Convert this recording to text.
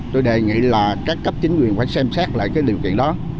tôi đề nghị là các cấp chính quyền phải xem xét lại cái điều kiện đó